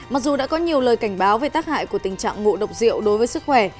mặc dù đã có nhiều lời cảnh báo về tác hại của tình trạng ngộ độc rượu đối với sức khỏe